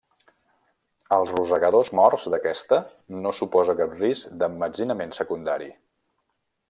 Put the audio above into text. Els rosegadors morts d'aquesta no suposa cap risc d'emmetzinament secundari.